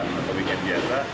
atau booking yang biasa